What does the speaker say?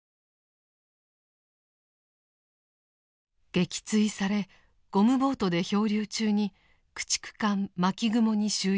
撃墜されゴムボートで漂流中に駆逐艦「巻雲」に収容されました。